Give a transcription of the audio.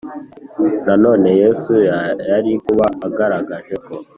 Nanone Yesu yari kuba agaragaje ko